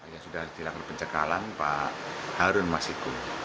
yang sudah dilakukan pencekalan pak harun masiku